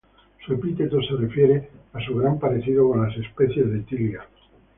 Su epíteto se refiere a su gran parecido con las especies de "Tilia".